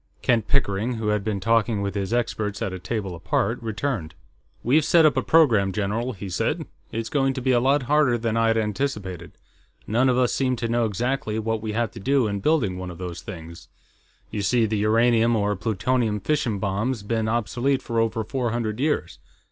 Kent Pickering, who had been talking with his experts at a table apart, returned. "We've set up a programme, general," he said. "It's going to be a lot harder than I'd anticipated. None of us seem to know exactly what we have to do in building one of those things. You see, the uranium or plutonium fission bomb's been obsolete for over four hundred years.